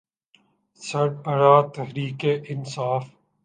سربراہ تحریک انصاف۔